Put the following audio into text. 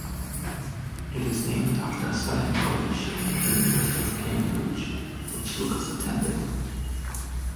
It is named after Selwyn College, University of Cambridge, which Lucas attended.